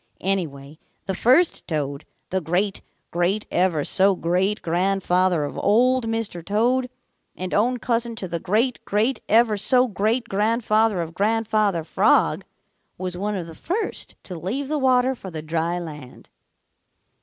Anyway, the first Toad, the great great ever so great grandfather of Old Mr. Toad and own cousin to the great great ever so great grandfather of Grandfather Frog, was one of the first to leave the water for the dry land.